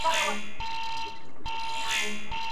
د کوترو له کهاله، په یوه شان یو ..